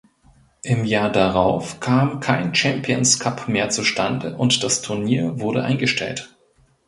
Im Jahr darauf kam kein Champions Cup mehr zustande und das Turnier wurde eingestellt.